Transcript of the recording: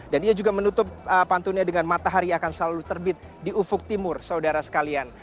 dan dia juga menutup pantunnya dengan matahari akan selalu terbit di ufuk timur saudara sekalian